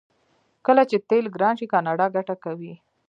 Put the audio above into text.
کله چې تیل ګران شي کاناډا ګټه کوي.